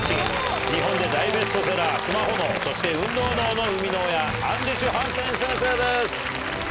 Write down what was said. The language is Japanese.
日本で大ベストセラー『スマホ脳』そして『運動脳』の生みの親アンデシュ・ハンセン先生です。